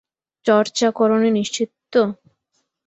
চর্চা করোনি নিশ্চিত তো?